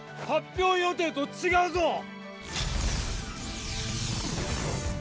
発表予定と違うぞ！